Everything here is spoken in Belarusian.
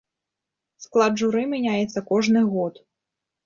Склад журы мяняецца кожны год.